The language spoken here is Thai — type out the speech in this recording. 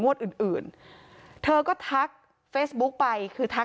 ความปลอดภัยของนายอภิรักษ์และครอบครัวด้วยซ้ำ